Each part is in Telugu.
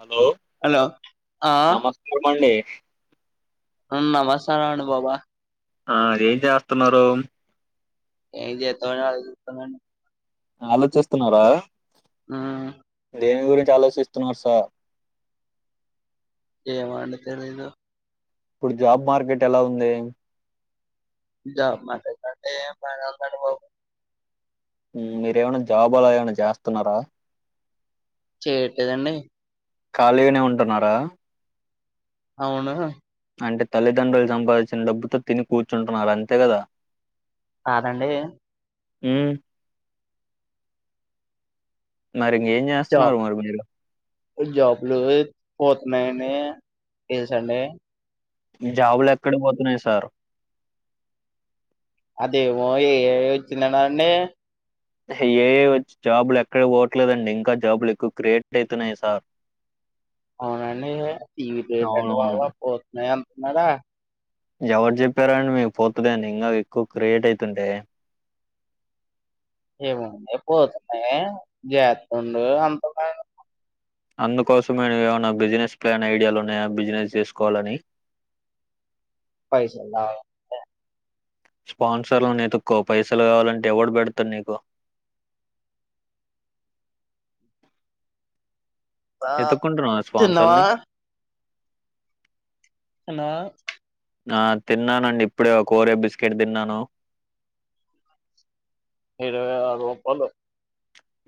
హలో హలో ఆ నమస్కారం అండి మ్మ్ నల్సార్ అనుభవా ఆ అ ఏం చేస్తున్నారు ఏం చేద్దాం అని ఆలోచిస్తున్నా అండి ఆలోచిస్తున్నారా మ్మ్ దేని గురించి ఆలోచిస్తున్నారు సార్ ఏమండి తెలీదు ఇప్పుడు జాబ్ మార్కెట్ ఎలా ఉంది జాబ్ మారేసాటే [unintelligible] మ్మ్ మీరేమనా జాబ్ అలా ఏమైనా చేస్తున్నారా చేయట్లేదండి ఖాళీగానే ఉంటున్నారా అవును అంటే తల్లిదండ్రులు సంపాదించిన డబ్బుతో తిని కూర్చుంటున్నారు అంతే కదా కాదండి మ్మ్ మరి ఇంకేం చేస్తున్నారు జాబ్ మరి మీరు జాబ్లు పోతున్నాయిని చేసండి జాబులు ఎక్కడ పోతున్నాయి సార్ అదే ఏమో ఎ ఐ వచ్చిందట కదండి ఏ ఐ వచ్ జాబులు ఎక్కడ పోవట్లేదండి ఇంకా జాబులు ఎక్కువ క్రియేట్ అవుతున్నాయి సార్ డిఅవునండి ఇగ అవునవును [unintelligible] పోతున్నాయి గద ఎవరు చెప్పారు అండి మీకు పోతుదని ఇంకా ఎక్కువ క్రియేట్ అవుతుంటే ఏమో డి ఎక్కువ అయితున్నాయా జెత్తుండు అంత అందుకోసమేను ఏమైనా బిజినెస్ ప్లాన్ ఐడియాలు ఉన్నాయా బిజినెస్ చేసుకోవాలని పైసలంటే స్పాన్సర్లు నీతుక్కో పైసలు కావాలంటే ఎవడ్ పెడ్తరు నీకు ఆహ్ ఎతుక్కుంటున్నావా తిన్నవా స్పాన్సర్ని హలో ఆ తిన్నానండి ఇప్పుడే ఒ కోరే బిస్కెట్ తిన్నాను ఇరవై ఆరూపాలు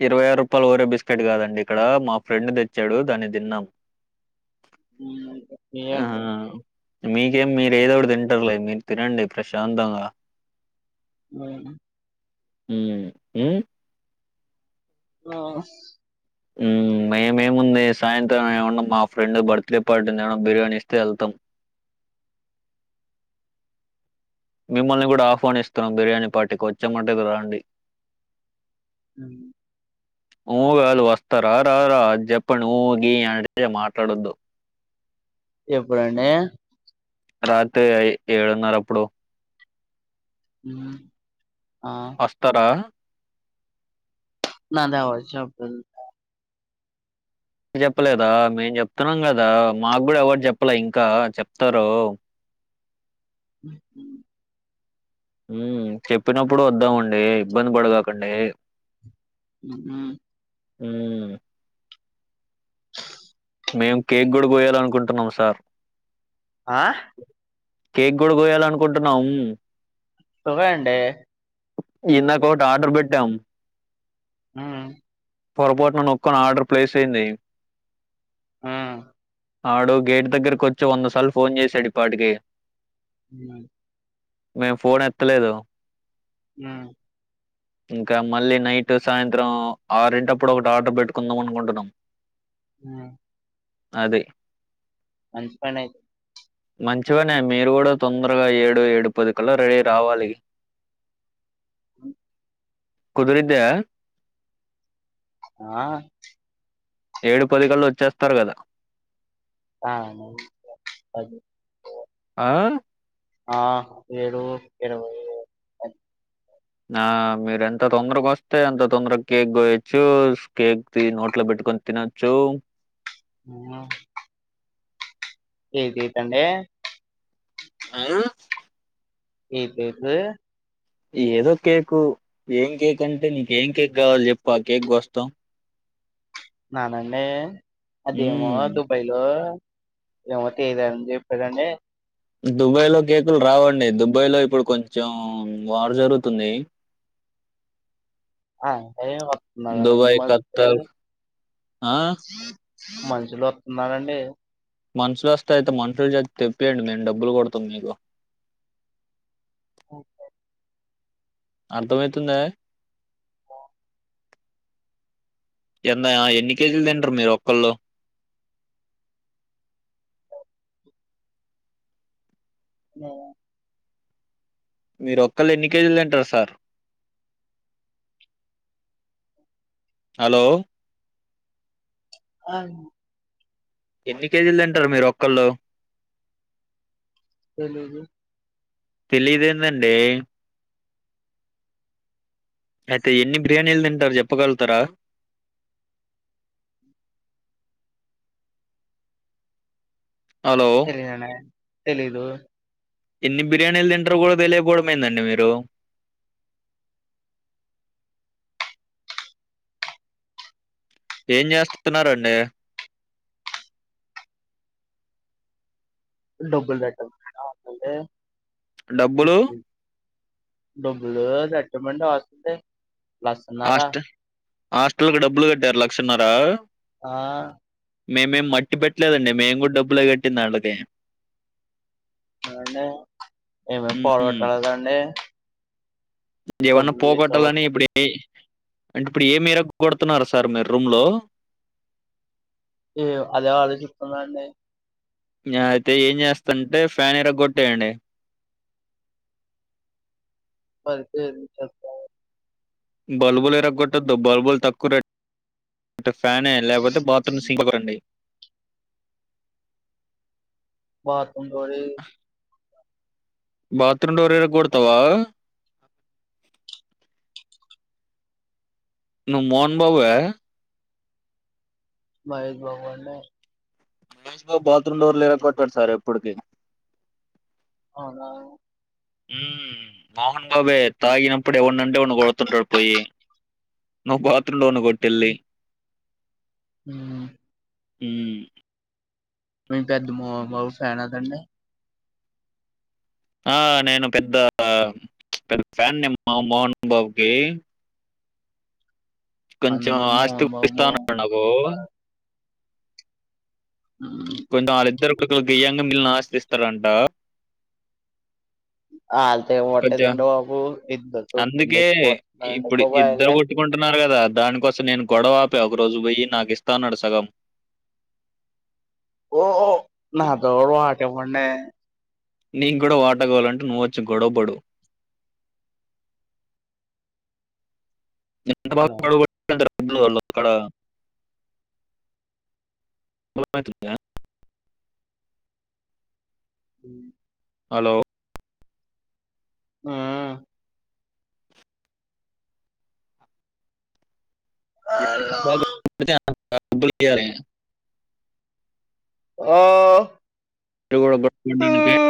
ఇరవై ఆరు రూపాయలు వోరే బిస్కెట్ కాదండి ఇక్కడ మా ఫ్రెండ్ తెచ్చాడు దాన్ని తిన్నాం మ్మ్ ఆ ఏండి మీకేం మీరు ఏదో ఒకటి తింటారులే మీరు తినండి ప్రశాంతంగా ఆ హుం హ్మ్ మ్మ్ ఆ మ్మ్ మేమేముంది సాయంత్రం ఏమన్నా మా ఫ్రెండ్ బర్త్డే పార్టీని ఏమన్నా బిర్యానీ ఇస్తే వెళ్తాం. మిమ్మల్ని కూడా ఆహ్వానిస్తన్నాం బిర్యానీ పార్టీకి వచ్చామంటది రాండి అ ఊ గాదు వస్తార రార ఆది జెప్పఅండి ఊగి అంటే మాట్లాడొద్దు ఎప్పుడు అండి రాత్ర రారీ ఏడు నర అప్పుడు ఉమ్ ఆ అస్తరా నాదవరు చెప్పలేదు చెప్పలేదా మేం చెప్తున్నాం కదా మాకు కూడా ఎవరు చెప్పలే ఇంకా చెప్తారు [inaudible] ఉ చెప్పినప్పుడు వద్దామండి ఇబ్బంది పడ కాకండి ఉమ్ హ్ ఉమ్ మేం కేక్ కూడా కోయాల అనుకుంటున్నాం సార్ ఆ కేక్ కూడా కోయాలనుకుంటున్నాము కోవేయండి ఇందకోటి ఆర్డర్ పెట్టాము ఉమ్ పొరపోటున నొక్కొని ఆర్డర్ ప్లేస్ అయింది ఆ ఆడు గేట్ దగ్గరకు వచ్చి వందసార్లు ఫోన్ చేసాడుఈ పాటికి ఉమ్ మేము ఫోన్ ఎత్తలేదు ఉమ్ ఇంకా మళ్ళీ నైట్ సాయంత్రం ఆరింటప్పుడు ఒకటి ఆర్డర్ పెట్టుకుందాం అనుకుంటున్నాం ఉమ్ అది మంచిపని అయితే మంచిపనే మీరు కూడా తొందరగా ఏడు ఏడు పదికల్ల రెడీ అయ్యి రావాలి అ కుదిరితే ఆ ఏడు పదికళ్ళ వచ్చేస్తారు కదా ఆ అ ఆ ఆ ఏడు ఇరవై ఆ మీరు ఎంత తొందరగా వస్తే ఎంత తొందరగా కేక్ కోయొచ్చు కేక్ నోట్లో పెట్టుకొని తినొచ్చు ఉమ్ ఏతేతండే ఆ ఏతేతే ఈ ఏదో కేక్ ఏం కేక్ అంటే నీక ఏం కేక్ కావలో చెప్పు ఆ కేక్ కోస్తం నానండి అదేమో మ్మ్. దుబాయ్ లో ఇవత ఐదు అంది పదన్న దుబాయ్ లో కేకులు రావండి దుబాయ్ లో ఇప్పుడు కొంచెం వారు జరుగుతుంది ఆ అ వత్తన్నగర మ దుబాయ్ ఖత్తర్ ఆ మంచులు వస్తున్ననండి మనుషులొస్తే అయితే మనుషుల చేత్ తెప్పండి. మేము డబ్బులు కొడతాం నీకు. ఓకే. అర్థమైతుందా. ఎందయ్య ఎన్ని కేజీలు తింట్రు మీరు ఒక్కళ్ళు. మేమా. మీరు ఒక్కళ్ళే ఎన్ని కేజీలు తింటార్ సారు. హలో అవ్ను. ఎన్ని కేజీల్ తింటరు మీరొక్కళ్ళు. తెలీదు. తెలీదెందండి. అయితే ఎన్ని బిర్యానీలు తింటరు చెప్పగలుగుతారా. హలో తెలీదండి. తెలీదు! ఎన్ని బిర్యానీలు తింటరు గూడా తెలియకపోవడం ఏందండి మీరు. ఏం చేస్తున్నారండి. డబ్బులు పెట్టాలా లేకపోతే. డబ్బులు. డబ్బులు పెట్టమంటే ఆస్తుంటే. లచ్చన్నరా? హాస్టల్ హాస్టల్ కు డబ్బులు కట్టార్. లక్షన్నరా. ఆ! మేమేం మట్టి పెట్లేదండి. మేము గూడ డబ్బులే కట్టిందాళ్ళకి. ఎవండి. ఇవాళ పోరాటాలు తాండి. ఏవన్నా పోగట్టాలని అవ్వద్దు. ఇప్పుడే. అంట్ ఇప్పుడు ఏ మెరక్ కొడుతున్నారు సార్ మీ రూమ్ లో. ఏ అదే ఆలోచిత్తున్నా అండి. న్యా అయితే ఏం చేస్టంటే ఫాన్ ఇరగ్గొట్టేయండి. పరిచయం చేస్తా. బల్బులు ఇరగ్గొట్టొద్దు. బల్బుల్ తక్కువ రేట్ ట్ ఫానే లేకపోతే బాత్రూమ్ సింక్ పగొట్టండి. బాత్ ఒంగోలి బాత్ రూమ్ డోర్ ఇరగొడతావా. నువ్ మోహన్ బాబువా మహేష్ బాబు అన్నా. మహేష్ బాబు బాత్రూమ్ డోర్లు ఇరకొట్టడు సార్ ఎప్పుడికి. అవునా ఊ మోహన్ బాబే తాగినప్పుడు ఎవన్నంటే వాన్ని కొడుతుంటాడు పొయ్యి నువ్వు బాత్ రూమ్. లోన్ ని కొట్టెల్లి. ఊ ఊ మేం పెద్ద మోహన్ బాబు ఫ్యాన్ కదండి. ఆ నేను పెద్ద పెద్ద ఫ్యాన్ నిను మా మోహన్ బాబుకిి కొంచెం అందులో ఆస్తి మోహన్ బాబు ఇస్తాన్నడు నాకు ఆ ఇద్దరికీ కొద్దిగా ఇయ్యాంగా మిగిలిన అస్తి ఇస్తారంట ఆళ్తే కొంచెం పట్టుకొకండి బాబు అందుకే ఇద్దరుచ్చిపోతుందండి ఇప్పుడు ఇద్దరు బాబాయలే కొట్టుకుంటున్నారు కదా దానికోసం నేను గొడవవాపే ఒక రోజు పోయి నాకు ఇస్తాను అన్నడు సగం ఓఓ నాతో పాటు ఉండె నీకు కూడా వాట గావాలంటే నువ్వొచ్చి గొడవ పడు నిను [inaudible] హలో వడ్లు వాళ్ళు అక్కడ వినపడట్లేద ఉ హలో ఆ హలో. [unintelligible] వాడికీ బాంఋ లేయాలే ఆ పొందామ కూడా కూడాంటనుక [inaudible]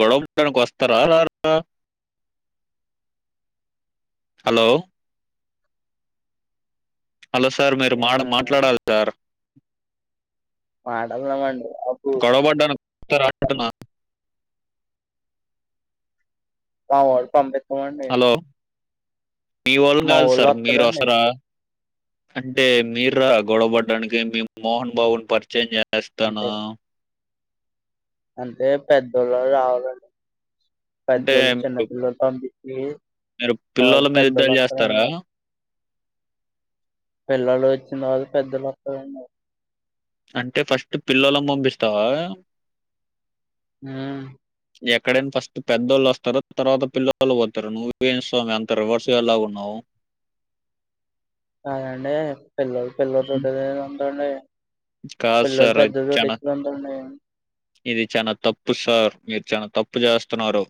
గొడవ పడడానికి వస్తారా రార హలో హలో సార్ మీరు మాడ మాట్లాడాలి సార్ పాటలు పాడండి గొడవ పడ్డానికి వత్తార రాన ఆ వస్తాం లే పోండి హలో మీ వాళ్ళును కాదు సార్ మీరు వస్తారండి వస్తార అంటే మీరు రార గొడవ పడ్డానికి మీ మోహన్ బాబుని పరిచయం చేయ వస్తనా అంటే పెద్దోళ్ళు రావాలండి అంటే పెద్దోళ్ళు మీరు చిన్నపిల్లలతొ అండి హ్మ్ మీరు పిల్లొల్ల మీద యుద్దాలు చేస్తారా పిల్లలు వచ్చింది కాదు పెద్దొలు వత్తారాండి అంటే ఫస్ట్ పిల్లొలను పంపిస్తావా ఆ ఎక్కడైనా ఫస్ట్ పెద్దోళ్ళు వస్తారు తర్వాత పిల్లవాళ్ళు పోతరు నువ్ ఏంది స్వామి అంత రివర్స్ గాని లాగా ఉన్నావు. అయ్ అండి పిల్లల పిల్లల చోటి ఉందండి కాదు పిల్లలు సార్ పెద్ద చానా చోటిచ్చ ఉందండి ఇది చాన తప్పు సార్ మీరు చానా తప్పు చేస్తున్నారు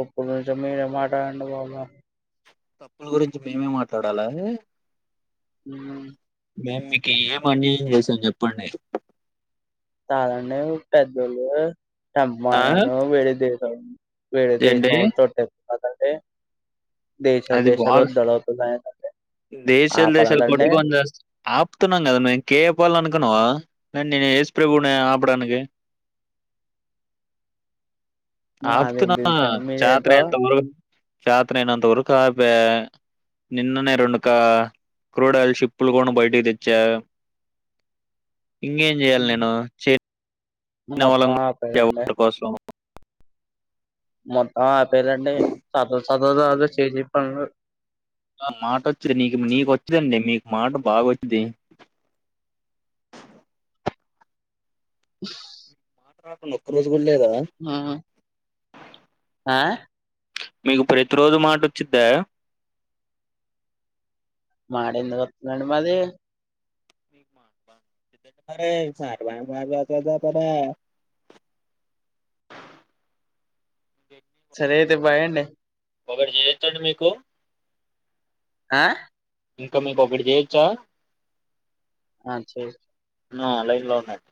ఒక్క నిమిషం మీరు మాటఅండి బాబు [unintelligible] తప్పుల గురించి మేమే మాట్లాడాలా హే ఉమ్ మేమ్ మీకు ఏం అన్యాయం చేసాం చెప్పండి చాలండి పెద్దోళ్ళు [inaudible] ఆ! చెమ్బయను విడిది [unintelligible] సమ్ విడిది ఏండి? చౌ చట్ట [unintelligible] కాదంటే అది బాగా దేశాలు దేశాలు ఆపలేదండి కొట్టుకొని చస్ ఆపుతున్నాం కదా మేము కేపాల అనుకున్నావా న నేను ఎస్ ప్రభువు న ఆపడానికి మాదేం ఆపుతున్నా తెలుసండి జాత్ర మీరేంటో ఎంత మరుగు [unintelligible] చాతనైన్తవరకూ కాపే నిన్ననే రెండు కా క్రూడ్ ఆయిల్ షిప్పులు కూడా బయటికి తెచ్చా ఇంకేం చెయాలి ఉమ్, నేను చే ఉన్న మొత్తం వాళ్ళందర్నీ ఆపేయాలండి ఒక్కరి కోసం [unintelligible] మొత్తం ఆపేరండి సత సత చే చెప్పను ఆ మాట వచ్చిది నీకు నీకు వచ్చిందిందండి మీకు మాట బాగా వచ్చిది [inaudible] ఓ మాట రాకున్నా ఒక్కరోజు [inaudible] స్కూల్ లేదా ఆ మీకు ప్రతి రోజు మాట ఒచ్చిద్దా మాడ ఎందుకు వస్తుందండి మాది మ సార్వా మ ప [unintelligible] సరే అయితే బాయండి ఒకటి చెత్తాండి మీకు ఆ ఇంక మీకు ఒకటి చేయొచ్చా ఆ చెే నా లైన్ లో ఉన్నాడు